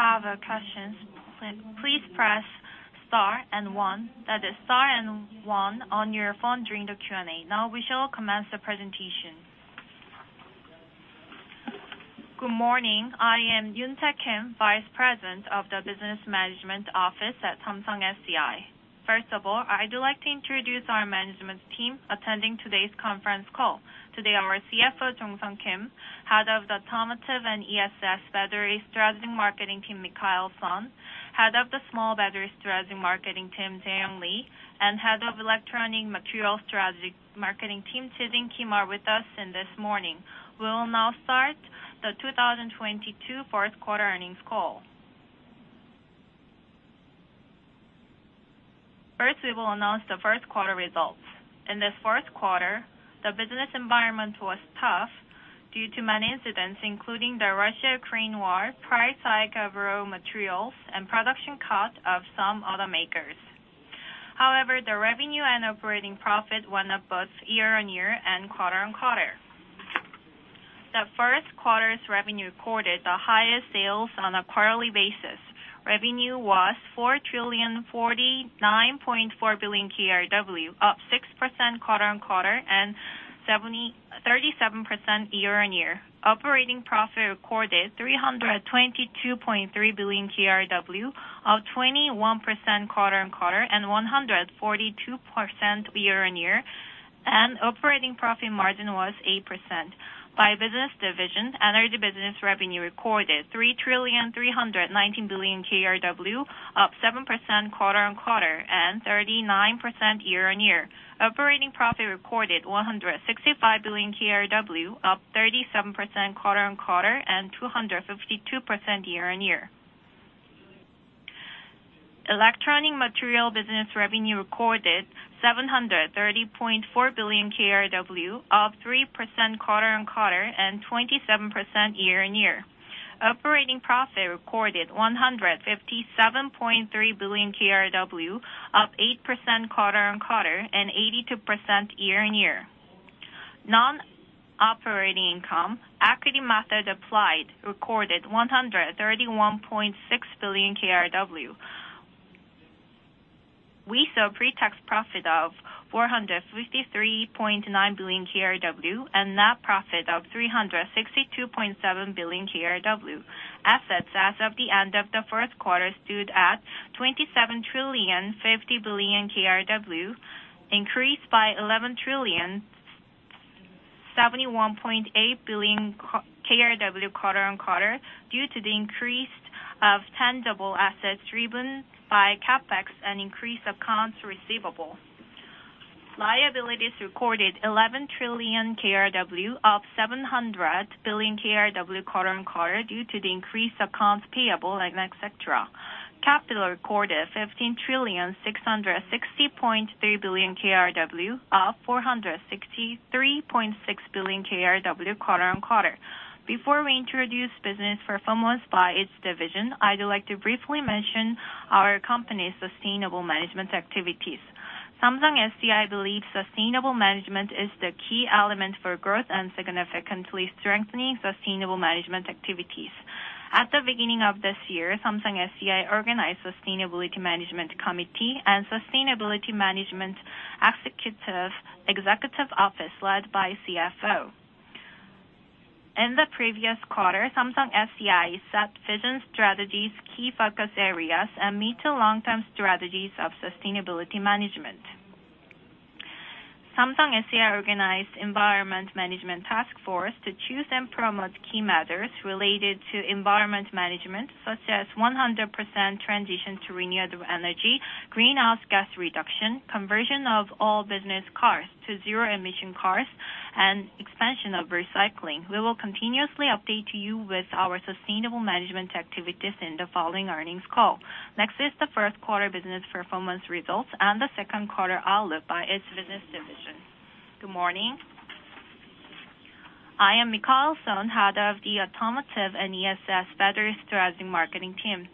If you have questions, please press star and one. That is star and one on your phone during the Q&A. Now, we shall commence the presentation. Good morning. I am Yoon-tae Kim, Vice President of the Business Management Office at Samsung SDI. First of all, I'd like to introduce our management team attending today's conference call. Today, our CFO, Jong-sung Kim, Head of the Automotive and ESS Battery Strategic Marketing Team, Michael Son, Head of the Small Batteries Strategic Marketing Team, Jaeyoung Lee, and Head of Electronic Materials Strategic Marketing Team, Chijin Kim, are with us this morning. We will now start the 2022 fourth quarter earnings call. First, we will announce the first quarter results. In this first quarter, the business environment was tough due to many incidents, including the Russia-Ukraine war, price hike of raw materials, and production costs of some automakers. However, the revenue and operating profit went up both year-on-year and quarter-on-quarter. The first quarter's revenue recorded the highest sales on a quarterly basis. Revenue was 4,049.4 billion KRW, up 6% quarter-on-quarter and 73% year-on-year. Operating profit recorded 322.3 billion KRW, up 21% quarter-on-quarter and 142% year-on-year. Operating profit margin was 8%. By business division, energy business revenue recorded 3,319 billion KRW, up 7% quarter-on-quarter and 39% year-on-year. Operating profit recorded 165 billion KRW, up 37% quarter-on-quarter and 252% year-on-year. Electronic material business revenue recorded 730.4 billion KRW, up 3% quarter-on-quarter and 27% year-on-year. Operating profit recorded 157.3 billion KRW, up 8% quarter-on-quarter and 82% year-on-year. Non-operating income, equity method applied, recorded 131.6 billion KRW. We saw pre-tax profit of 453.9 billion KRW and net profit of 362.7 billion KRW. Assets as of the end of the first quarter stood at 27,050 billion KRW, increased by 11,071.8 billion KRW quarter-on-quarter due to the increase of tangible assets driven by CapEx and increased accounts receivable. Liabilities recorded 11 trillion KRW, up 700 billion KRW quarter-on-quarter due to the increased accounts payable and et cetera. Capital recorded 15,660.3 billion KRW, up 463.6 billion KRW quarter-on-quarter. Before we introduce business performance by each division, I'd like to briefly mention our company's sustainable management activities. Samsung SDI believes sustainable management is the key element for growth and significantly strengthening sustainable management activities. At the beginning of this year, Samsung SDI organized Sustainability Management Committee and Sustainability Management Executive Office led by CFO. In the previous quarter, Samsung SDI set vision strategies, key focus areas, and mid to long-term strategies of sustainability management. Samsung SDI organized Environment Management Task Force to choose and promote key matters related to environment management, such as 100% transition to renewable energy, greenhouse gas reduction, conversion of all business cars to zero emission cars, and expansion of recycling. We will continuously update you with our sustainable management activities in the following earnings call. Next is the first quarter business performance results and the second quarter outlook by its business division. Good morning. I am Michael Son, Head of the Automotive and ESS Battery Strategic Marketing Team.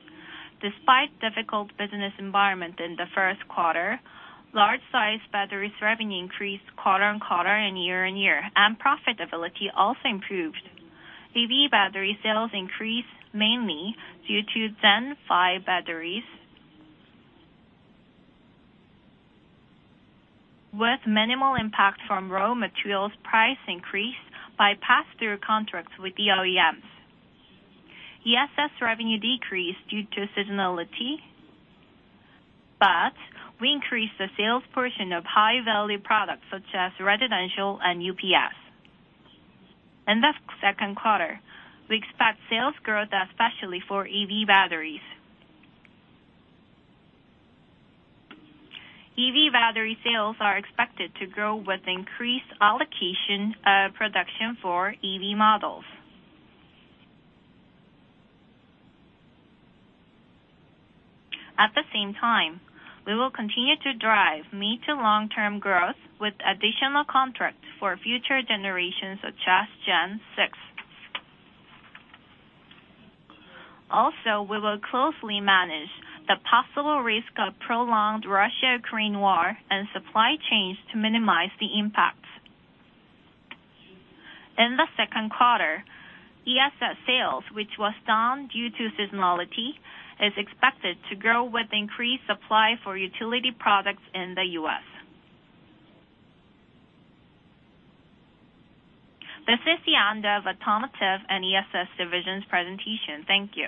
Despite difficult business environment in the first quarter, large-sized batteries revenue increased quarter-on-quarter and year-on-year, and profitability also improved. EV battery sales increased mainly due to Gen 5 batteries with minimal impact from raw materials price increase by pass-through contracts with the OEMs. ESS revenue decreased due to seasonality, but we increased the sales portion of high-value products such as residential and UPS. In the second quarter, we expect sales growth, especially for EV batteries. EV battery sales are expected to grow with increased allocation, production for EV models. At the same time, we will continue to drive mid to long-term growth with additional contracts for future generations, such as Gen 6. Also, we will closely manage the possible risk of prolonged Russia-Ukraine war and supply chains to minimize the impact. In the second quarter, ESS sales, which was down due to seasonality, is expected to grow with increased supply for utility products in the US. This is the end of Automotive and ESS divisions presentation. Thank you.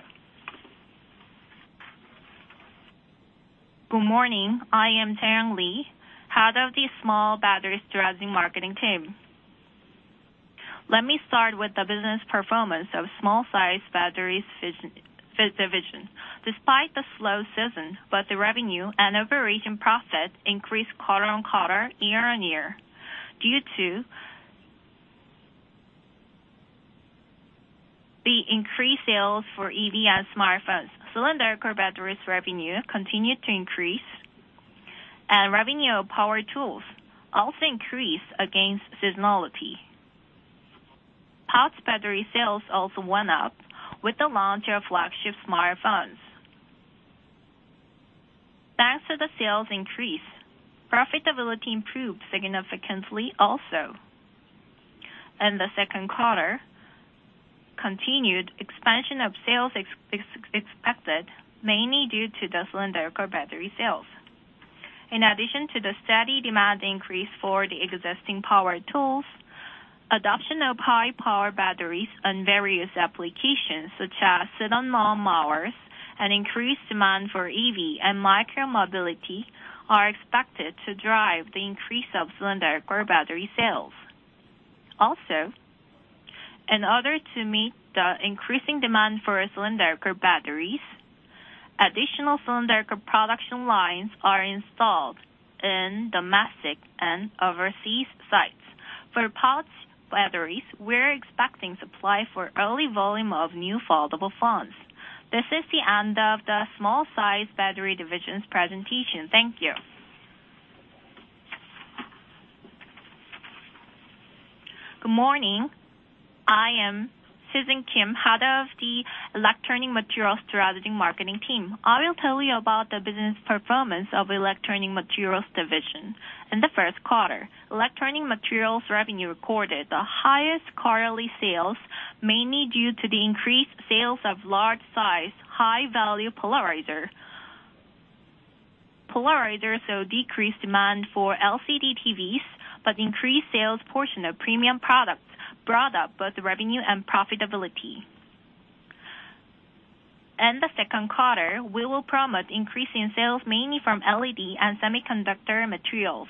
Good morning. I am Jaeyoung Lee, Head of the Small Batteries Strategy Marketing Team. Let me start with the business performance of Small-Sized Batteries division. Despite the slow season, both the revenue and operating profit increased quarter-on-quarter, year-on-year due to the increased sales for EV and smartphones. Cylindrical batteries revenue continued to increase, and revenue of power tools also increased against seasonality. Pouch battery sales also went up with the launch of flagship smartphones. Thanks to the sales increase, profitability improved significantly also. In the second quarter, continued expansion of sales expected, mainly due to the cylindrical battery sales. In addition to the steady demand increase for the existing power tools, adoption of high power batteries on various applications, such as sit-on lawnmowers and increased demand for EV and micro-mobility, are expected to drive the increase of cylindrical battery sales. In order to meet the increasing demand for cylindrical batteries, additional cylindrical production lines are installed in domestic and overseas sites. For pouch batteries, we're expecting supply for early volume of new foldable phones. This is the end of the Small-Sized Battery Division's presentation. Thank you. Good morning. I am Chijin Kim, head of the Electronic Materials Strategic Marketing Team. I will tell you about the business performance of Electronic Materials Division. In the first quarter, Electronic Materials revenue recorded the highest quarterly sales, mainly due to the increased sales of large-size, high-value polarizer. Polarizer saw decreased demand for LCD TVs, but increased sales portion of premium products brought up both revenue and profitability. In the second quarter, we will promote increase in sales mainly from LED and semiconductor materials.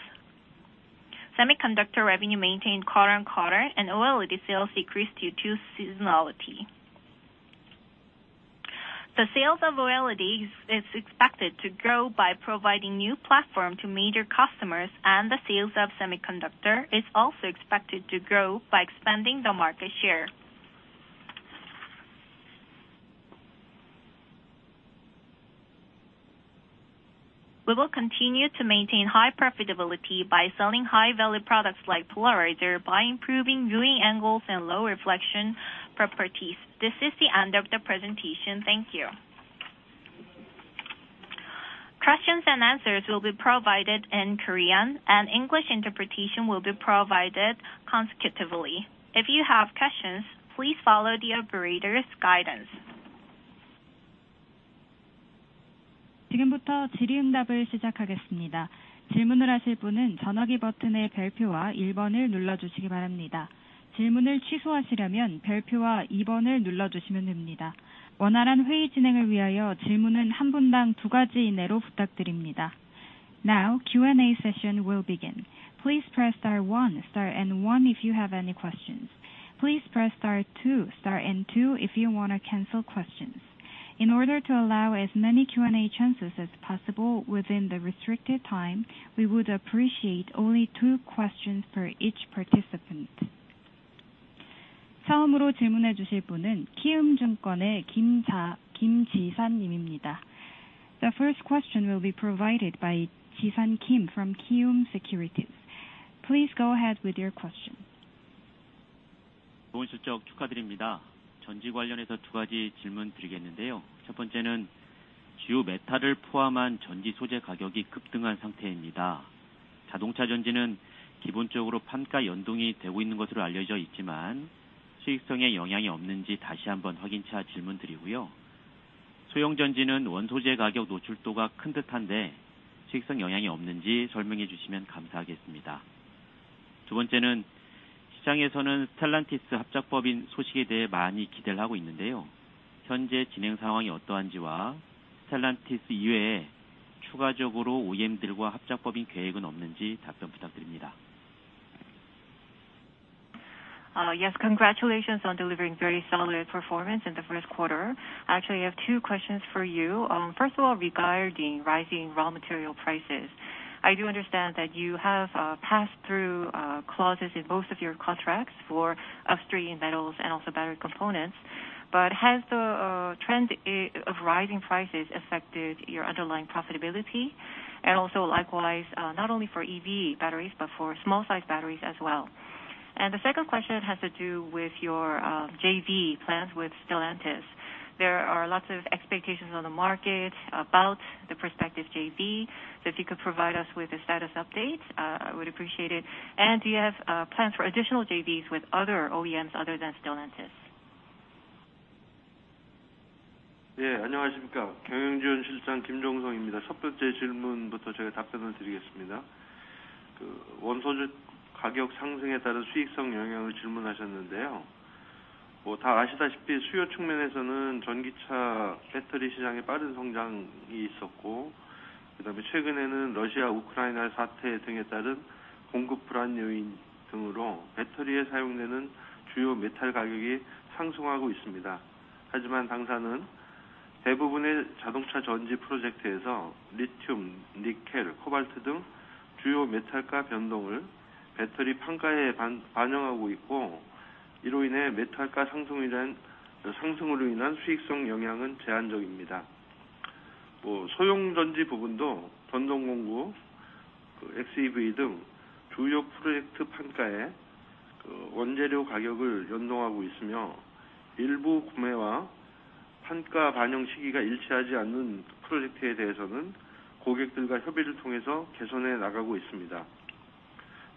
Semiconductor revenue maintained quarter-on-quarter and OLED sales decreased due to seasonality. The sales of OLED is expected to grow by providing new platform to major customers, and the sales of semiconductor is also expected to grow by expanding the market share. We will continue to maintain high profitability by selling high value products like polarizer, by improving viewing angles and low reflection properties. This is the end of the presentation. Thank you. Questions and answers will be provided in Korean and English interpretation will be provided consecutively. If you have questions, please follow the operator's guidance. Now, Q&A session will begin. Please press star one, star and one if you have any questions. Please press star two, star and two if you wanna cancel questions. In order to allow as many Q&A chances as possible within the restricted time, we would appreciate only two questions per each participant. The first question will be provided by Ji-san Kim from Kiwoom Securities. Please go ahead with your question. Yes, congratulations on delivering very solid performance in the first quarter. I actually have two questions for you. First of all, regarding rising raw material prices, I do understand that you have passed through clauses in both of your contracts for upstream metals and also battery components. But has the trend of rising prices affected your underlying profitability? And also likewise, not only for EV batteries, but for small-sized batteries as well. The second question has to do with your JV plans with Stellantis. There are lots of expectations on the market about the prospective JV. If you could provide us with a status update, I would appreciate it. Do you have plans for additional JVs with other OEMs other than Stellantis? Yeah. Yes. Regarding the first question, this is Jong-sung Kim, the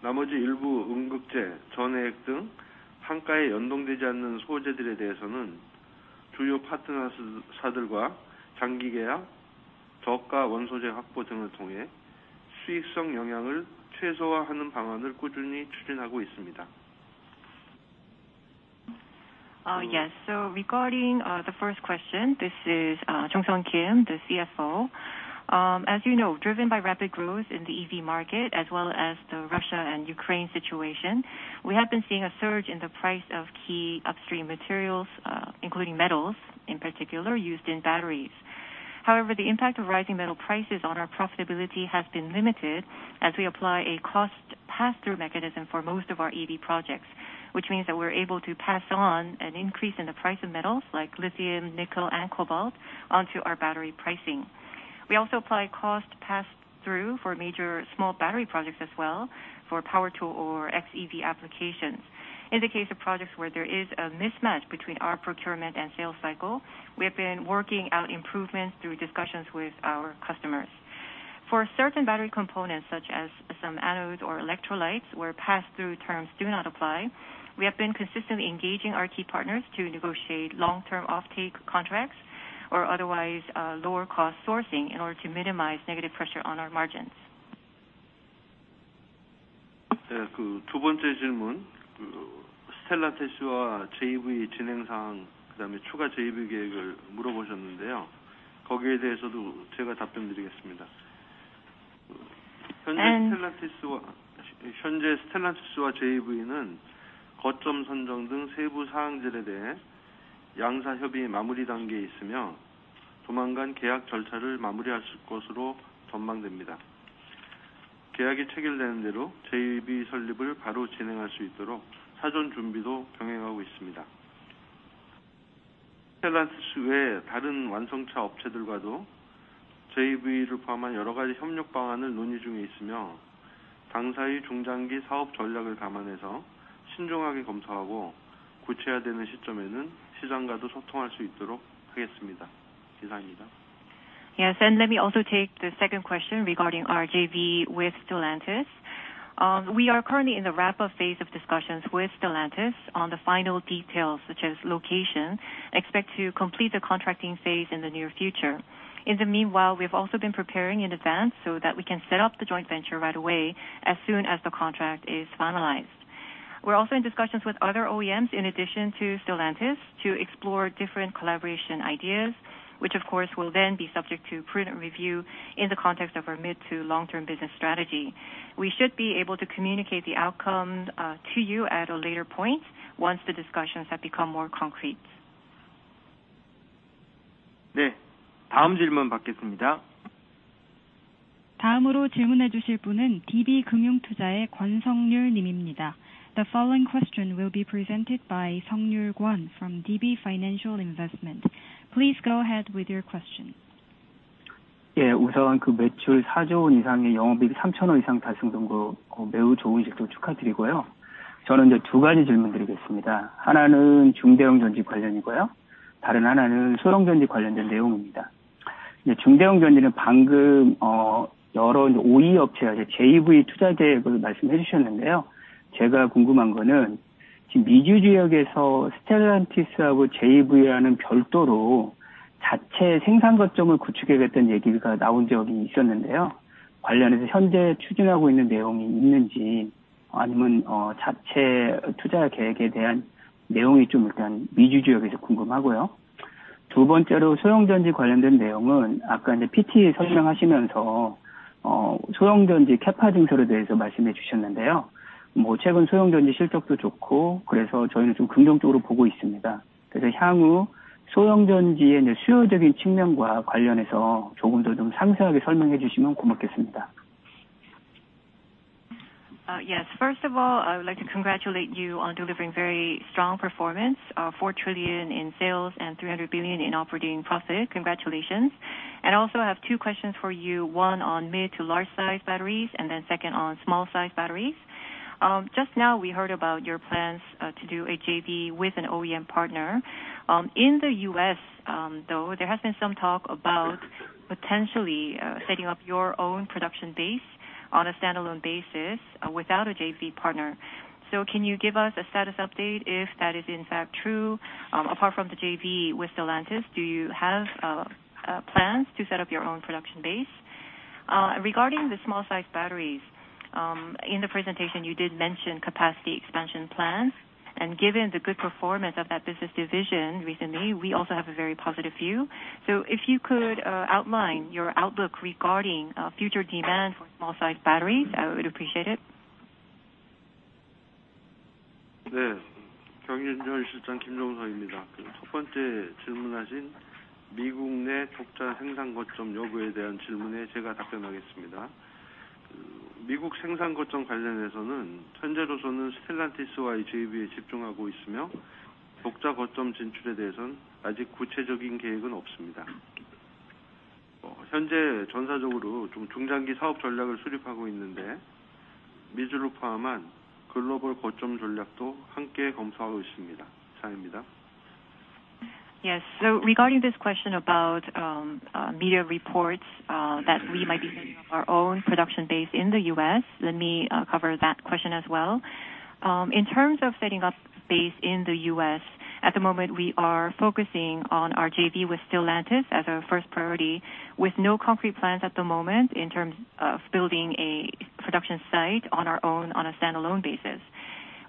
CFO. As you know, driven by rapid growth in the EV market as well as the Russia and Ukraine situation, we have been seeing a surge in the price of key upstream materials, including metals, in particular, used in batteries. However, the impact of rising metal prices on our profitability has been limited as we apply a cost pass-through mechanism for most of our EV projects, which means that we're able to pass on an increase in the price of metals like lithium, nickel and cobalt onto our battery pricing. We also apply cost pass-through for major small battery projects as well for power tool or XEV applications. In the case of projects where there is a mismatch between our procurement and sales cycle, we have been working out improvements through discussions with our customers. For certain battery components such as some anodes or electrolytes where pass-through terms do not apply, we have been consistently engaging our key partners to negotiate long-term offtake contracts or otherwise, lower cost sourcing in order to minimize negative pressure on our margins. Yeah. Yes. Let me also take the second question regarding our JV with Stellantis. We are currently in the wrap-up phase of discussions with Stellantis on the final details such as location. Expect to complete the contracting phase in the near future. In the meanwhile, we've also been preparing in advance so that we can set up the joint venture right away as soon as the contract is finalized. We're also in discussions with other OEMs, in addition to Stellantis, to explore different collaboration ideas, which of course will then be subject to prudent review in the context of our mid to long-term business strategy. We should be able to communicate the outcome to you at a later point once the discussions have become more concrete. The following question will be presented by Sung-ryul Kwon from DB Financial Investment. Please go ahead with your question. Yeah. Yes. First of all, I would like to congratulate you on delivering very strong performance, 4 trillion in sales and 300 billion in operating profit. Congratulations. I have two questions for you, one on mid to large size batteries, and then second on small size batteries. Just now we heard about your plans to do a JV with an OEM partner. In the U.S., though, there has been some talk about potentially setting up your own production base on a standalone basis without a JV partner. Can you give us a status update if that is in fact true? Apart from the JV with Stellantis, do you have plans to set up your own production base? Regarding the small-sized batteries, in the presentation, you did mention capacity expansion plans, and given the good performance of that business division recently, we also have a very positive view. If you could outline your outlook regarding future demand for small-sized batteries, I would appreciate it. Yes. Regarding this question about media reports that we might be setting up our own production base in the U.S., let me cover that question as well. In terms of setting up base in the U.S., at the moment, we are focusing on our JV with Stellantis as our first priority, with no concrete plans at the moment in terms of building a production site on our own on a standalone basis.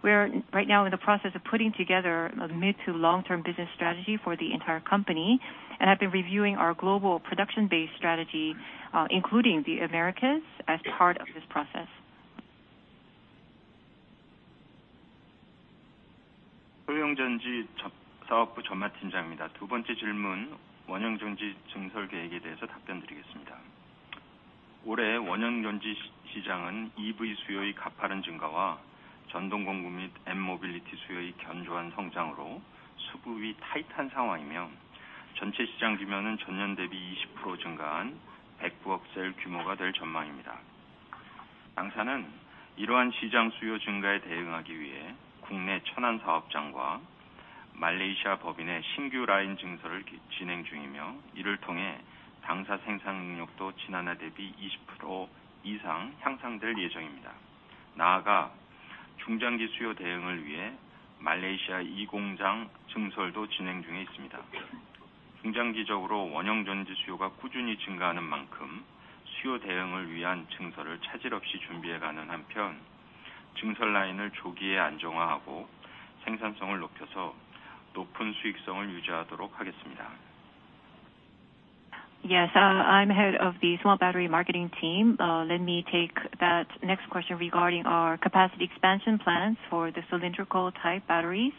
We are right now in the process of putting together a mid to long-term business strategy for the entire company, and have been reviewing our global production-based strategy, including the Americas as part of this process. Yes. I'm Head of the Small Battery Marketing Team. Let me take that next question regarding our capacity expansion plans for the cylindrical type batteries.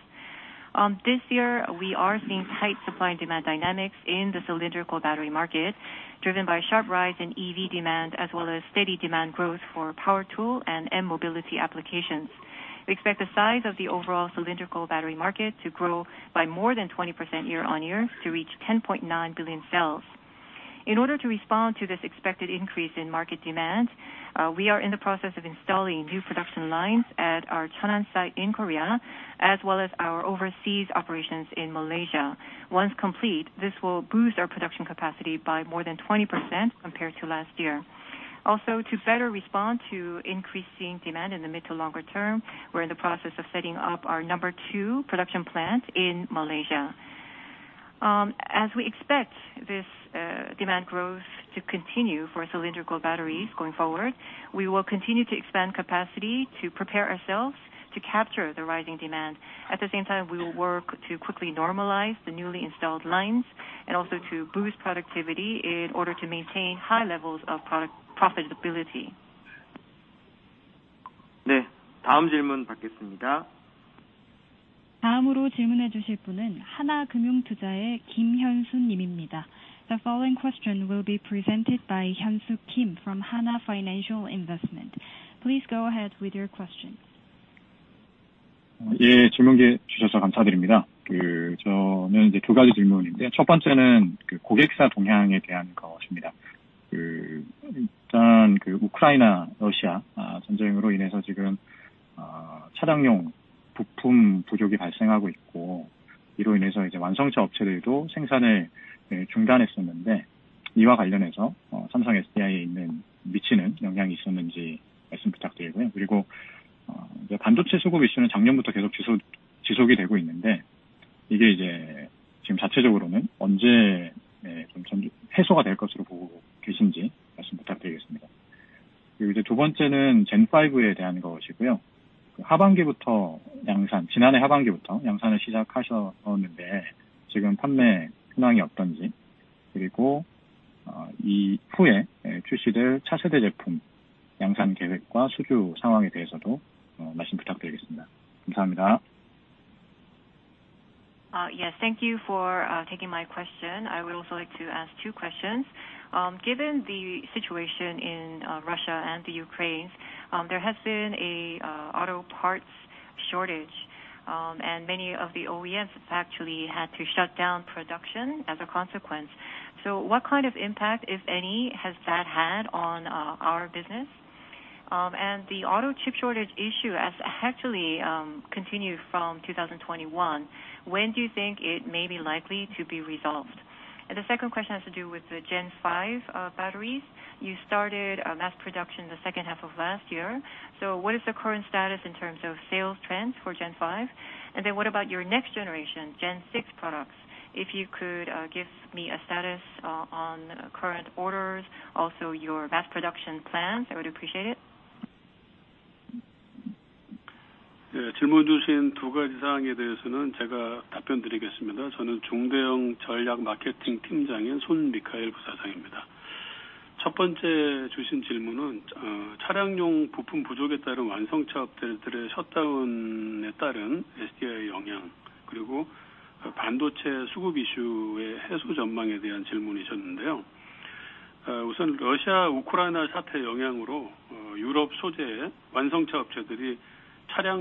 This year we are seeing tight supply and demand dynamics in the cylindrical battery market, driven by sharp rise in EV demand, as well as steady demand growth for power tool and micro mobility applications. We expect the size of the overall cylindrical battery market to grow by more than 20% year-over-year to reach 10.9 billion cells. In order to respond to this expected increase in market demand, we are in the process of installing new production lines at our Cheonan site in Korea, as well as our overseas operations in Malaysia. Once complete, this will boost our production capacity by more than 20% compared to last year. Also, to better respond to increasing demand in the mid to longer term, we're in the process of setting up our number two production plant in Malaysia. As we expect this demand growth to continue for cylindrical batteries going forward, we will continue to expand capacity to prepare ourselves to capture the rising demand. At the same time, we will work to quickly normalize the newly installed lines and also to boost productivity in order to maintain high levels of product profitability. The following question will be presented by Younsuh Kim from Hana Financial Investment. Please go ahead with your question. Yes, thank you for taking my question. I would also like to ask two questions. Given the situation in Russia and the Ukraine, there has been a auto parts shortage, many of the OEMs actually had to shut down production as a consequence. What kind of impact, if any, has that had on our business? The auto chip shortage issue has actually continued from 2021. When do you think it may be likely to be resolved? The second question has to do with the Gen. 5 batteries. You started mass production the second half of last year. What is the current status in terms of sales trends for Gen. 5? Then what about your next generation Gen. 6 products? If you could give me a status on current orders, also your mass production plans, I would appreciate it. Yeah.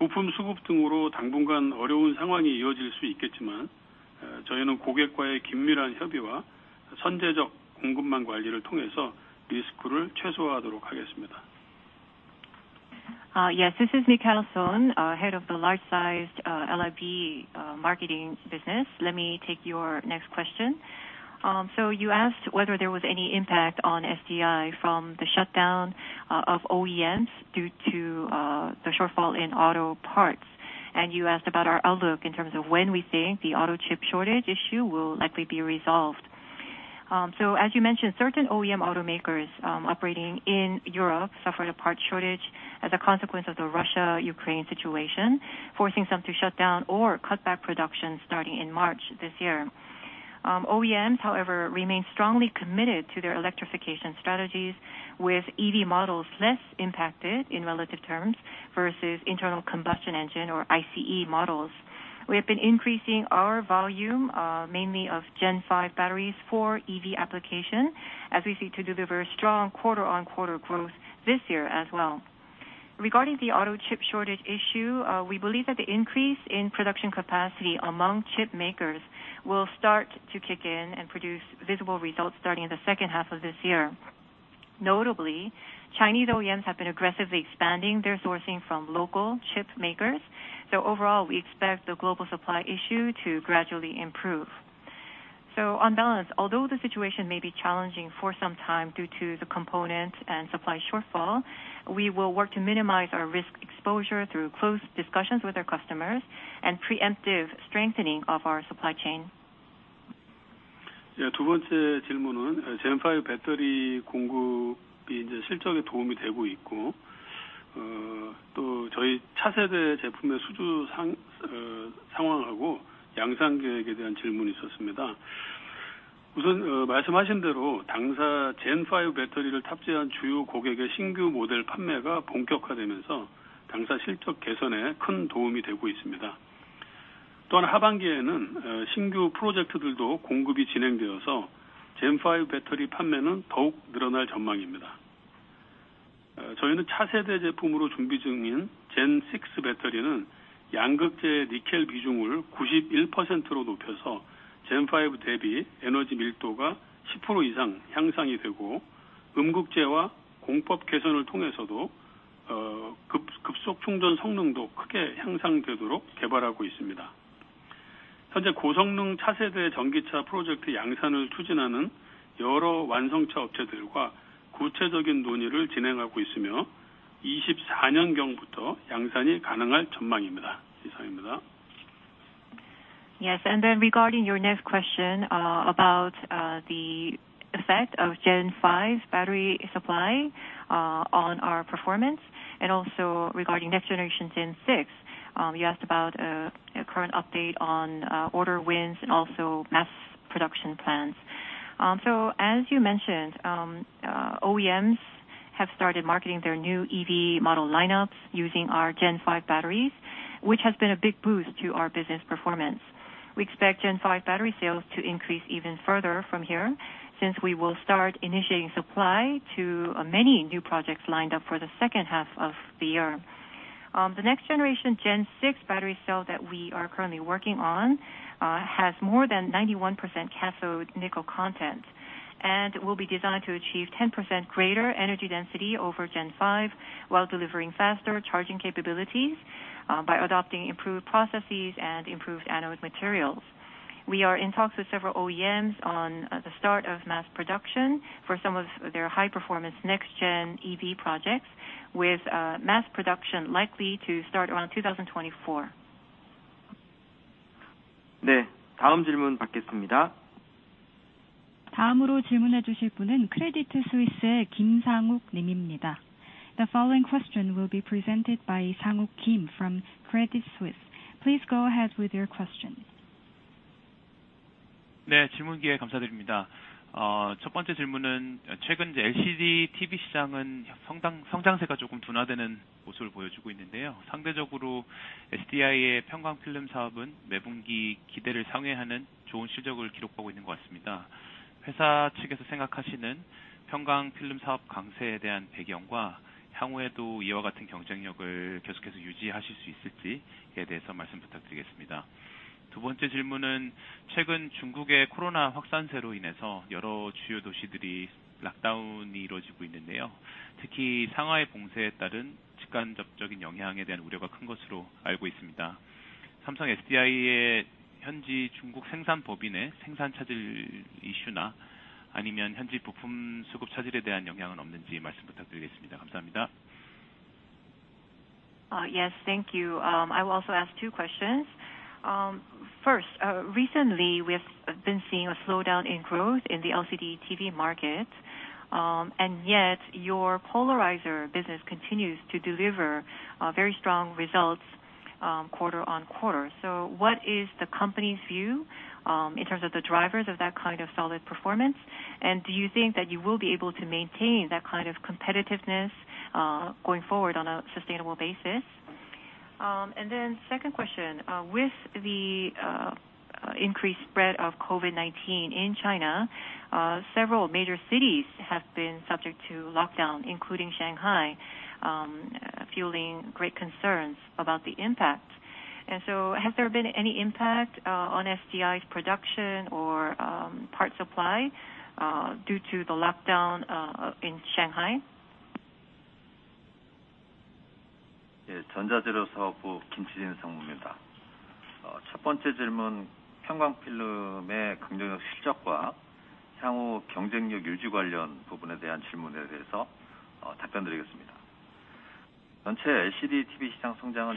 Yes. This is Michael Son, Head of the Large Sized LFB Marketing business. Let me take your next question. You asked whether there was any impact on SDI from the shutdown of OEMs due to the shortfall in auto parts. You asked about our outlook in terms of when we think the auto chip shortage issue will likely be resolved. As you mentioned, certain OEM automakers operating in Europe suffered a parts shortage as a consequence of the Russia-Ukraine situation, forcing some to shut down or cut back production starting in March this year. OEMs, however, remain strongly committed to their electrification strategies, with EV models less impacted in relative terms versus internal combustion engine or ICE models. We have been increasing our volume, mainly of Gen. 5 batteries for EV application as we seek to deliver strong quarter-on-quarter growth this year as well. Regarding the auto chip shortage issue, we believe that the increase in production capacity among chip makers will start to kick in and produce visible results starting in the second half of this year. Notably, Chinese OEMs have been aggressively expanding their sourcing from local chip makers. Overall, we expect the global supply issue to gradually improve. On balance, although the situation may be challenging for some time due to the component and supply shortfall, we will work to minimize our risk exposure through close discussions with our customers and preemptive strengthening of our supply chain. Yeah. Yes. Then regarding your next question, about the effect of Gen 5 battery supply on our performance and also regarding next generation Gen 6, you asked about current update on order wins and also mass production plans. As you mentioned, OEMs have started marketing their new EV model lineups using our Gen 5 batteries, which has been a big boost to our business performance. We expect Gen 5 battery sales to increase even further from here since we will start initiating supply to many new projects lined up for the second half of the year. The next generation Gen 6 battery cell that we are currently working on has more than 91% cathode nickel content and will be designed to achieve 10% greater energy density over Gen 5, while delivering faster charging capabilities by adopting improved processes and improved anode materials. We are in talks with several OEMs on the start of mass production for some of their high performance next gen EV projects, with mass production likely to start around 2024. The following question will be presented by Sang Uk Kim from Credit Suisse. Please go ahead with your question. Yes, thank you. I will also ask two questions. First, recently we have been seeing a slowdown in growth in the LCD TV market. Yet your polarizer business continues to deliver very strong results quarter-on-quarter. What is the company's view in terms of the drivers of that kind of solid performance? Do you think that you will be able to maintain that kind of competitiveness going forward on a sustainable basis? Second question, with the increased spread of COVID-19 in China, several major cities have been subject to lockdown, including Shanghai, fueling great concerns about the impact. Has there been any impact on SDI's production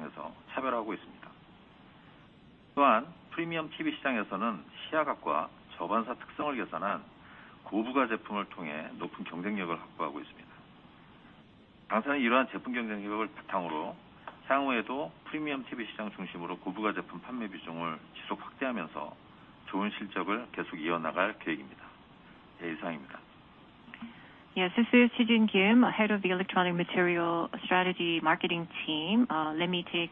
or part supply due to the lockdown in Shanghai? Yes, this is Chijin Kim, Head of the Electronic Materials Strategic Marketing Team. Let me take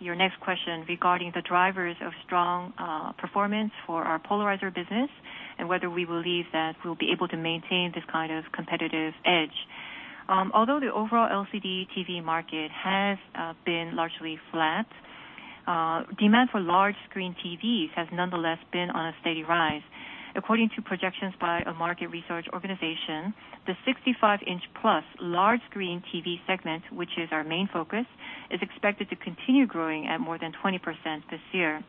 your next question regarding the drivers of strong performance for our polarizer business and whether we believe that we'll be able to maintain this kind of competitive edge. Although the overall LCD TV market has been largely flat, demand for large screen TVs has nonetheless been on a steady rise. According to projections by a market research organization, the 65-inch plus large screen TV segment, which is our main focus, is expected to continue growing at more than 20% this year.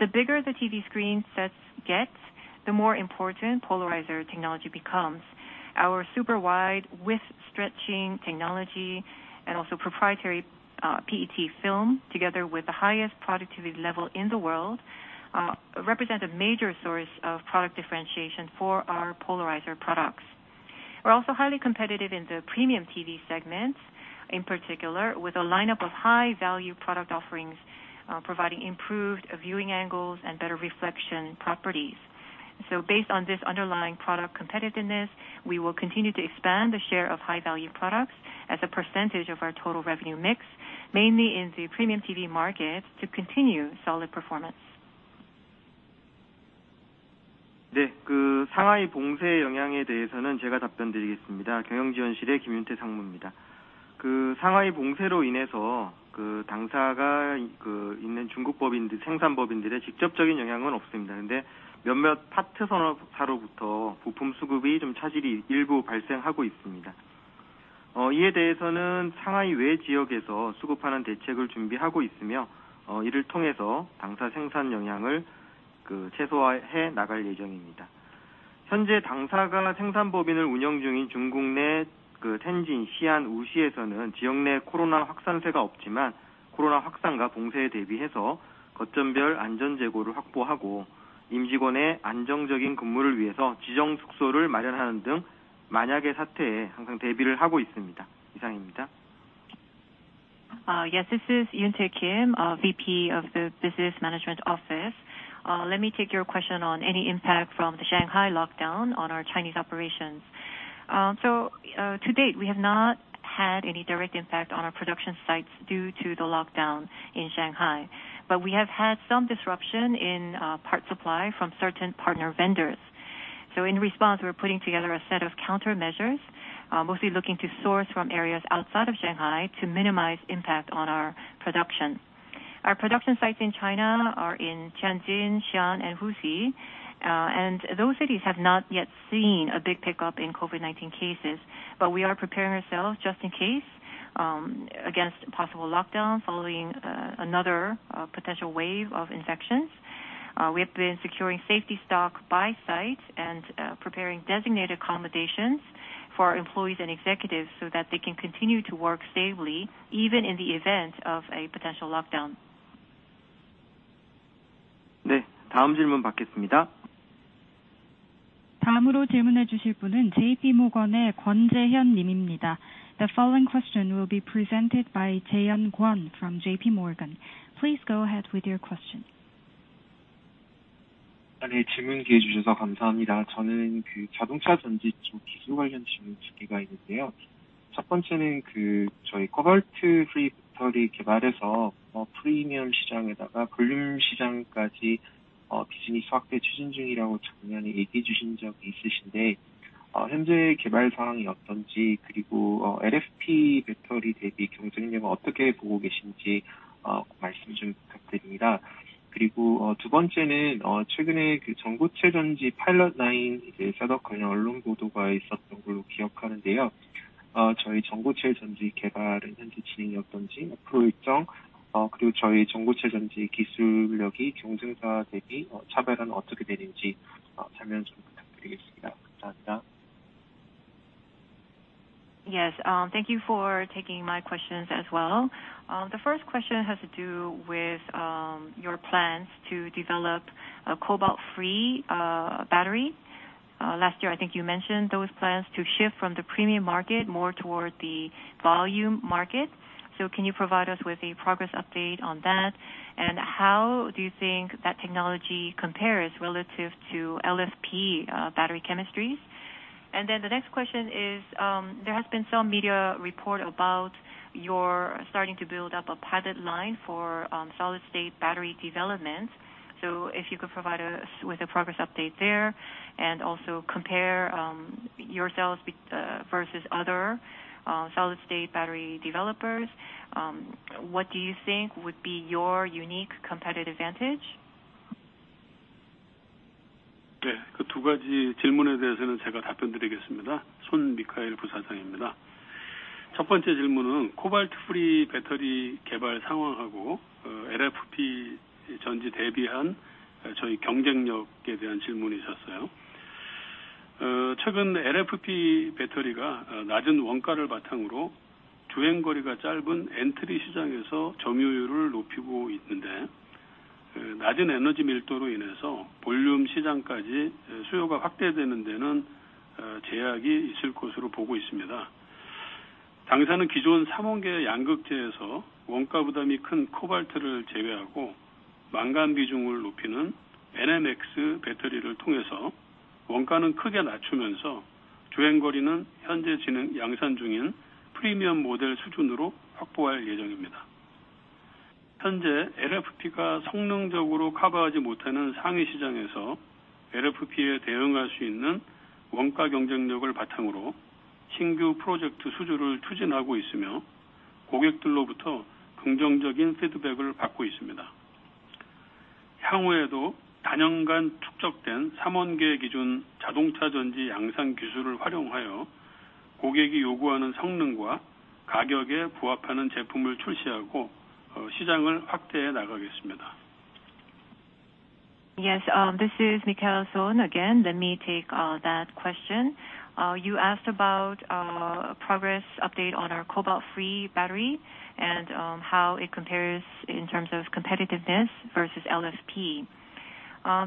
The bigger the TV screen size gets, the more important polarizer technology becomes. Our super wide width stretching technology and also proprietary PET film, together with the highest productivity level in the world, represent a major source of product differentiation for our polarizer products. We're also highly competitive in the premium TV segment, in particular with a lineup of high value product offerings, providing improved viewing angles and better reflection properties. Based on this underlying product competitiveness, we will continue to expand the share of high value products as a percentage of our total revenue mix, mainly in the premium TV market, to continue solid performance. Yes, this is Yoon-tae Kim, VP of the Business Management Office. Let me take your question on any impact from the Shanghai lockdown on our Chinese operations. To date, we have not had any direct impact on our production sites due to the lockdown in Shanghai, but we have had some disruption in part supply from certain partner vendors. In response, we're putting together a set of countermeasures, mostly looking to source from areas outside of Shanghai to minimize impact on our production. Our production sites in China are in Tianjin, Xi'an, and Wuxi, and those cities have not yet seen a big pickup in COVID-19 cases. We are preparing ourselves just in case, against possible lockdown following another potential wave of infections. We have been securing safety stock by site and preparing designated accommodations for our employees and executives so that they can continue to work safely even in the event of a potential lockdown. The following question will be presented by Jay Hyun Kwon from JPMorgan. Please go ahead with your question. Yes. Thank you for taking my questions as well. The first question has to do with your plans to develop a cobalt-free battery. Last year, I think you mentioned those plans to shift from the premium market more toward the volume market. Can you provide us with a progress update on that? And how do you think that technology compares relative to LFP battery chemistries? The next question is, there has been some media report about your starting to build up a pilot line for solid state battery development. If you could provide us with a progress update there and also compare yourselves with versus other solid state battery developers, what do you think would be your unique competitive advantage? Yes. This is Michael Son again. Let me take that question. You asked about progress update on our cobalt-free battery and how it compares in terms of competitiveness versus LFP.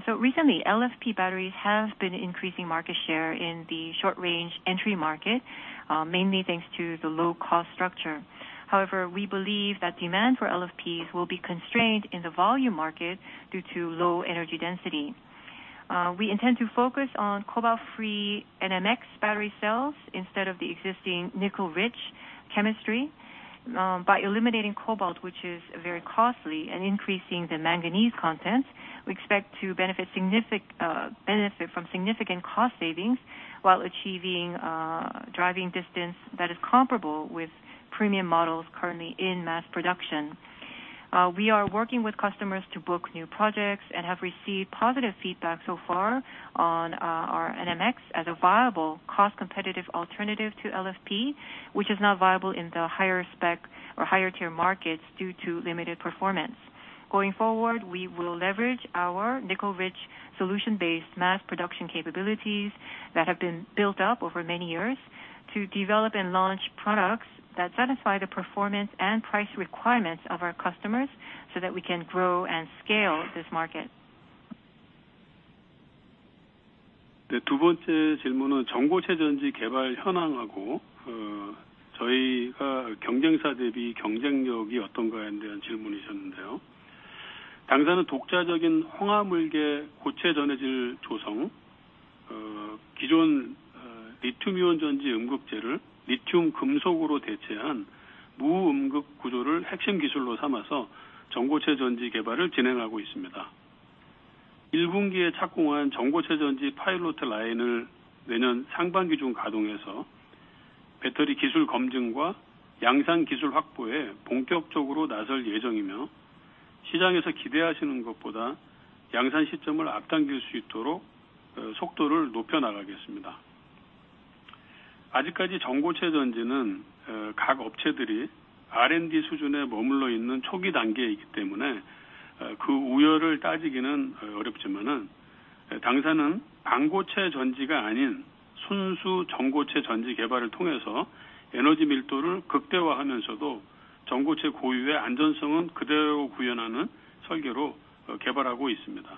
Recently LFP batteries have been increasing market share in the short range entry market, mainly thanks to the low cost structure. However, we believe that demand for LFPs will be constrained in the volume market due to low energy density. We intend to focus on cobalt-free NMX battery cells instead of the existing nickel-rich chemistry by eliminating cobalt, which is very costly and increasing the manganese content. We expect to benefit from significant cost savings while achieving driving distance that is comparable with premium models currently in mass production. We are working with customers to book new projects and have received positive feedback so far on our NMX as a viable cost competitive alternative to LFP, which is not viable in the higher spec or higher tier markets due to limited performance. Going forward, we will leverage our nickel rich solution-based mass production capabilities that have been built up over many years to develop and launch products that satisfy the performance and price requirements of our customers so that we can grow and scale this market. 네, 두 번째 질문은 전고체전지 개발 현황하고, 저희가 경쟁사 대비 경쟁력이 어떤가에 대한 질문이셨는데요. 당사는 독자적인 황화물계 고체 전해질 조성, 기존 리튬이온전지 음극재를 리튬 금속으로 대체한 무음극 구조를 핵심 기술로 삼아서 전고체전지 개발을 진행하고 있습니다. 일분기에 착공한 전고체전지 파일럿 라인을 내년 상반기 중 가동해서 배터리 기술 검증과 양산 기술 확보에 본격적으로 나설 예정이며, 시장에서 기대하시는 것보다 양산 시점을 앞당길 수 있도록 속도를 높여 나가겠습니다. 아직까지 전고체전지는 각 업체들이 R&D 수준에 머물러 있는 초기 단계에 있기 때문에 그 우열을 따지기는 어렵지만 당사는 반고체 전지가 아닌 순수 전고체전지 개발을 통해서 에너지 밀도를 극대화하면서도 전고체 고유의 안전성은 그대로 구현하는 설계로 개발하고 있습니다.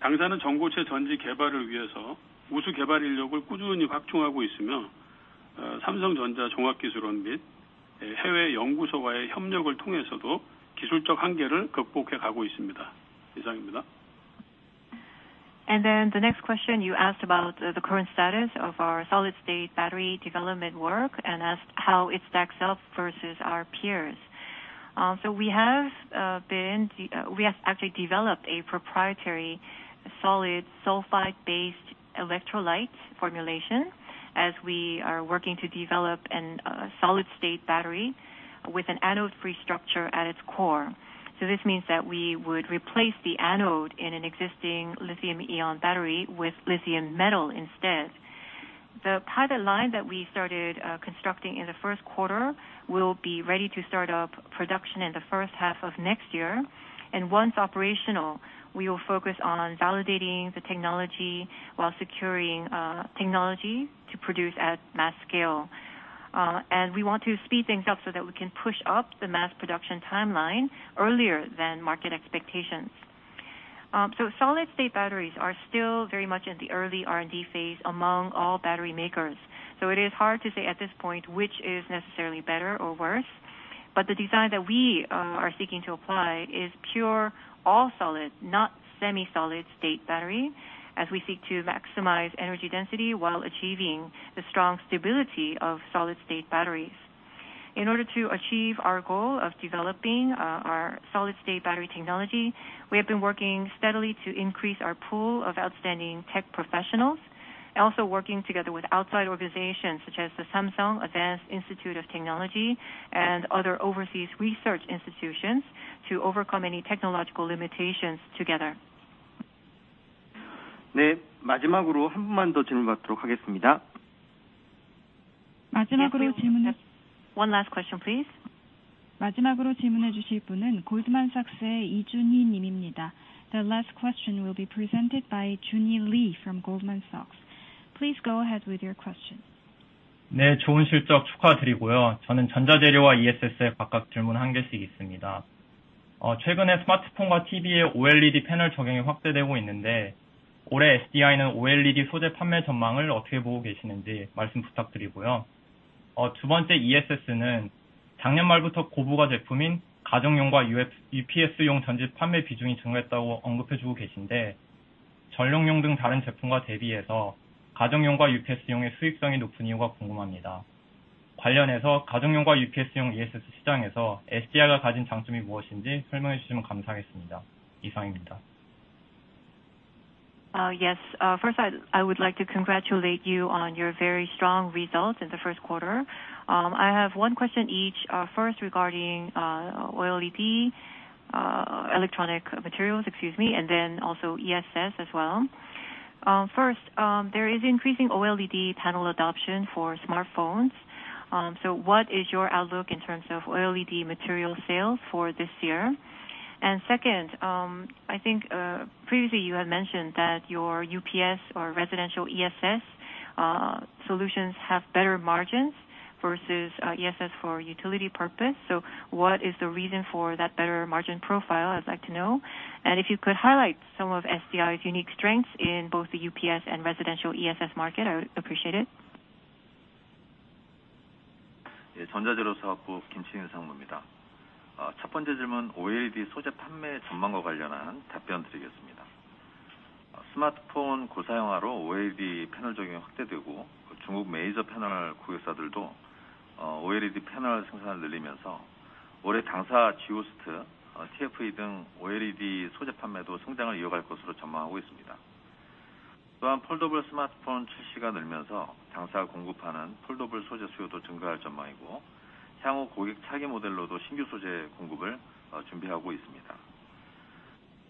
당사는 전고체전지 개발을 위해서 우수 개발 인력을 꾸준히 확충하고 있으며, 삼성전자 종합기술원 및 해외 연구소와의 협력을 통해서도 기술적 한계를 극복해 가고 있습니다. 이상입니다. The next question you asked about the current status of our solid-state battery development work and asked how it stacks up versus our peers. We have actually developed a proprietary solid sulfide-based electrolyte formulation as we are working to develop a solid-state battery with an anode-free structure at its core. This means that we would replace the anode in an existing lithium-ion battery with lithium metal instead. The pilot line that we started constructing in the first quarter will be ready to start up production in the first half of next year, and once operational, we will focus on validating the technology while securing technology to produce at mass scale. We want to speed things up so that we can push up the mass production timeline earlier than market expectations. Solid state batteries are still very much in the early R&D phase among all battery makers. It is hard to say at this point which is necessarily better or worse. The design that we are seeking to apply is pure all-solid, not semi-solid-state battery as we seek to maximize energy density while achieving the strong stability of solid-state batteries. In order to achieve our goal of developing our solid-state battery technology, we have been working steadily to increase our pool of outstanding tech professionals and also working together with outside organizations such as the Samsung Advanced Institute of Technology and other overseas research institutions to overcome any technological limitations together. 네, 마지막으로 한 분만 더 질문 받도록 하겠습니다. One last question, please. 마지막으로 질문해 주실 분은 골드만삭스의 이준희 님입니다. The last question will be presented by Junhee Lee from Goldman Sachs. Please go ahead with your question. 좋은 실적 축하드리고요. 저는 전자재료와 ESS에 각각 질문 한 개씩 있습니다. 최근에 스마트폰과 TV에 OLED 패널 적용이 확대되고 있는데, 올해 SDI는 OLED 소재 판매 전망을 어떻게 보고 계시는지 말씀 부탁드리고요. 두 번째 ESS는 작년 말부터 고부가 제품인 가정용과 UPS용 전지 판매 비중이 증가했다고 언급해 주고 계신데, 전력용 등 다른 제품과 대비해서 가정용과 UPS용의 수익성이 높은 이유가 궁금합니다. 관련해서 가정용과 UPS용 ESS 시장에서 SDI가 가진 장점이 무엇인지 설명해 주시면 감사하겠습니다. 이상입니다. Yes. First, I would like to congratulate you on your very strong results in the first quarter. I have one question each. First, regarding OLED electronic materials, excuse me, and then also ESS as well. First, there is increasing OLED panel adoption for smartphones. So what is your outlook in terms of OLED material sales for this year? And second, I think previously you had mentioned that your UPS or residential ESS solutions have better margins versus ESS for utility purpose. So what is the reason for that better margin profile? I'd like to know. And if you could highlight some of SDI's unique strengths in both the UPS and residential ESS market, I would appreciate it. 예, 전자재료 사업부 김치진 상무입니다. 첫 번째 질문 OLED 소재 판매 전망과 관련한 답변드리겠습니다. 스마트폰 고사양화로 OLED 패널 적용이 확대되고, 중국 메이저 패널 고객사들도 OLED 패널 생산을 늘리면서 올해 당사 GhosT, TFE 등 OLED 소재 판매도 성장을 이어갈 것으로 전망하고 있습니다. 또한 폴더블 스마트폰 출시가 늘면서 당사가 공급하는 폴더블 소재 수요도 증가할 전망이고, 향후 고객 차기 모델로도 신규 소재 공급을 준비하고 있습니다.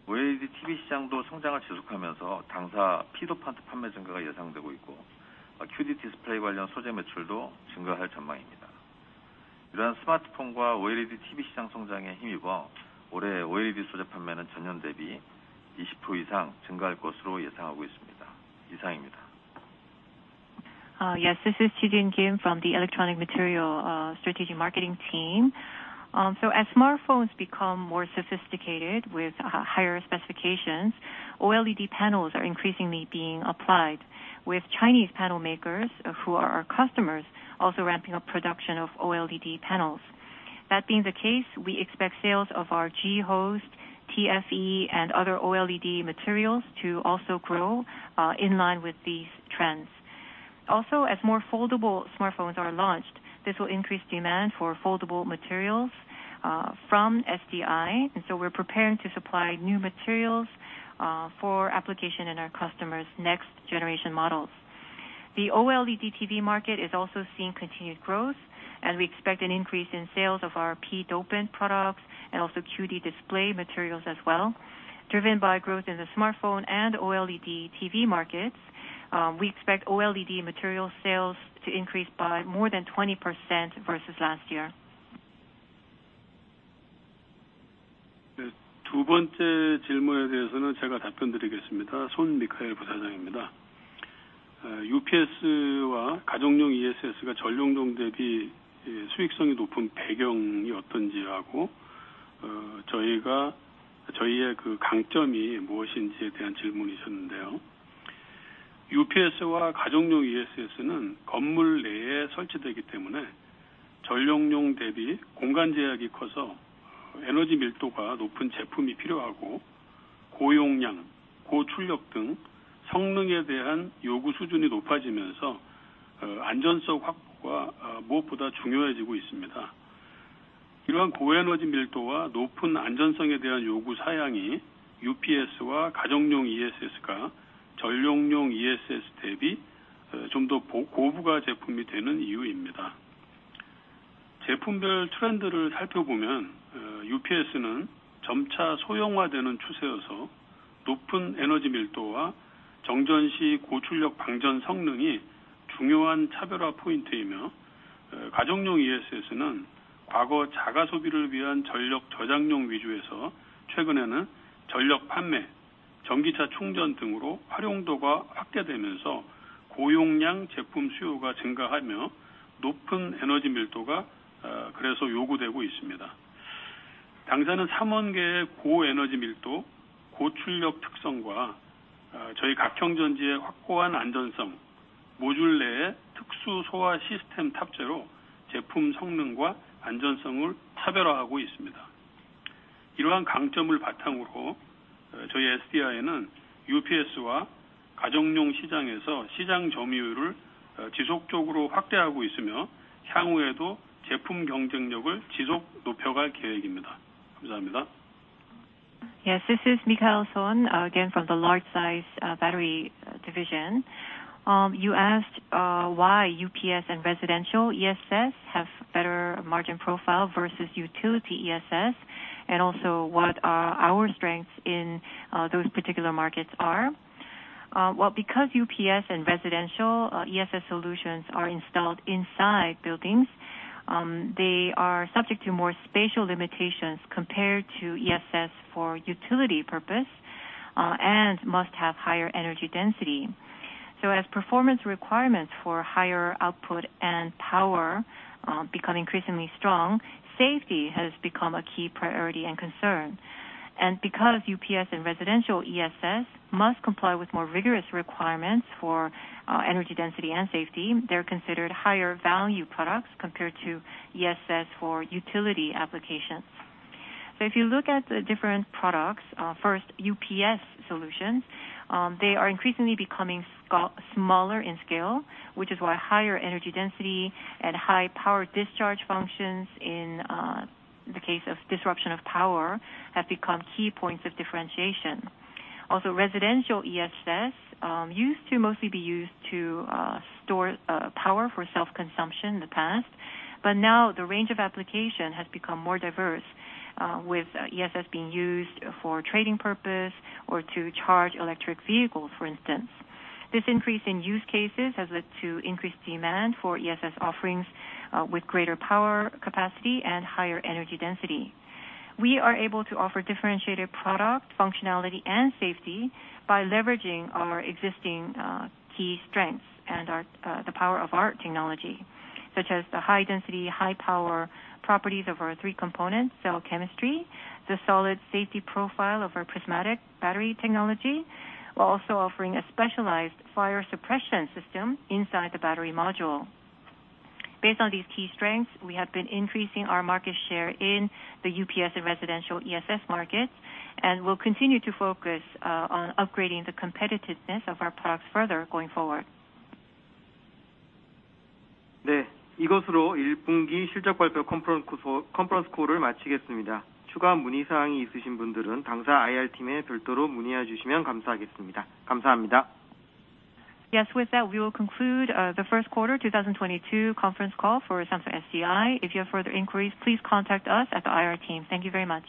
OLED TV 시장도 성장을 지속하면서 당사 필름 판매 증가가 예상되고 있고, QD 디스플레이 관련 소재 매출도 증가할 전망입니다. 이러한 스마트폰과 OLED TV 시장 성장에 힘입어 올해 OLED 소재 판매는 전년 대비 20% 이상 증가할 것으로 예상하고 있습니다. 이상입니다. Yes, this is Chijin Kim from the Electronic Materials Strategic Marketing Team. As smartphones become more sophisticated with higher specifications, OLED panels are increasingly being applied with Chinese panel makers, who are our customers also ramping up production of OLED panels. That being the case, we expect sales of our GhosT, TFE and other OLED materials to also grow in line with these trends. As more foldable smartphones are launched, this will increase demand for foldable materials from SDI. We're preparing to supply new materials for application in our customers' next generation models. The OLED TV market is also seeing continued growth, and we expect an increase in sales of our P dopant products and also QD display materials as well. Driven by growth in the smartphone and OLED TV markets, we expect OLED material sales to increase by more than 20% versus last year. Yes. This is Michael Son again from the large size battery division. You asked why UPS and residential ESS have better margin profile versus utility ESS, and also what our strengths in those particular markets are. Well, because UPS and residential ESS solutions are installed inside buildings, they are subject to more spatial limitations compared to ESS for utility purpose, and must have higher energy density. As performance requirements for higher output and power become increasingly strong, safety has become a key priority and concern. Because UPS and residential ESS must comply with more rigorous requirements for energy density and safety, they're considered higher value products compared to ESS for utility applications. If you look at the different products, first UPS solutions, they are increasingly becoming smaller in scale, which is why higher energy density and high power discharge functions in the case of disruption of power have become key points of differentiation. Residential ESS used to mostly be used to store power for self-consumption in the past, but now the range of application has become more diverse, with ESS being used for trading purpose or to charge electric vehicles, for instance. This increase in use cases has led to increased demand for ESS offerings, with greater power capacity and higher energy density. We are able to offer differentiated product functionality and safety by leveraging our existing key strengths and the power of our technology, such as the high density, high power properties of our three components, cell chemistry, the solid safety profile of our prismatic battery technology. We're also offering a specialized fire suppression system inside the battery module. Based on these key strengths, we have been increasing our market share in the UPS and residential ESS markets, and we'll continue to focus on upgrading the competitiveness of our products further going forward. Yes. With that, we will conclude the first quarter 2022 conference call for Samsung SDI. If you have further inquiries, please contact us at the IR team. Thank you very much.